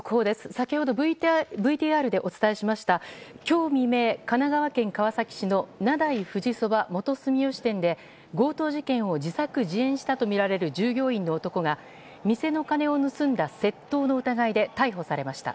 先ほどＶＴＲでお伝えしました今日未明、神奈川県川崎市の名代富士そば元住吉店で強盗事件を自作自演したとみられる従業員の男が店の金を盗んだ窃盗の疑いで逮捕されました。